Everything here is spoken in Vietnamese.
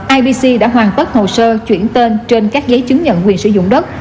ibc đã hoàn tất hồ sơ chuyển tên trên các giấy chứng nhận quyền sử dụng đất